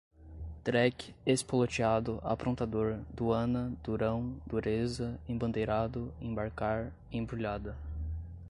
dreque, espolotiado, aprontador, duana, durão, dureza, embandeirado, embarcar, embrulhada